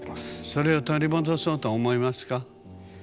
それを取り戻そうと思いますか？